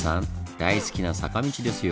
大好きな坂道ですよ。